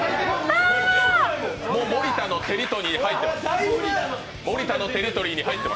もう盛田のテリトリーに入ってます。